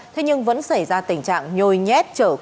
thế nhưng vẫn xảy ra tình trạng nhồi nhét trở quá khóa